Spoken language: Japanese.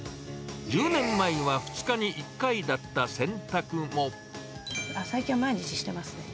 １０年前は２日に１回だった洗濯最近は毎日してますね。